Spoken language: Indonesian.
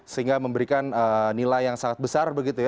sehingga memberikan nilai yang sangat besar